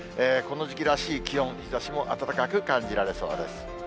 この時期らしい気温、日ざしも暖かく感じられそうです。